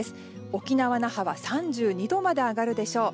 沖縄・那覇は３２度まで上がるでしょう。